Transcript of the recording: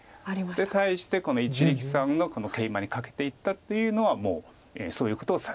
対してこの一力さんのケイマにカケていったというのはもうそういうことをさせないと。